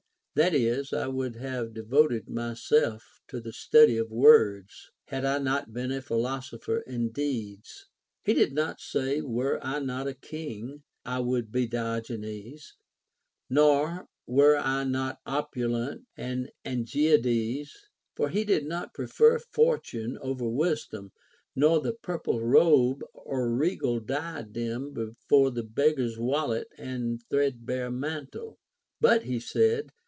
That is, I would have de voted myself to the study of words, had I not been a philosopher in deeds. He did not say. Were I not a king, I would be Diogenes ; nor, Were I not opulent, an Arge ades. For he did not prefer fortune before wisdom, nor the purple robe or regal diadem before the beggar's wallet and threadbare mantle ; but he said.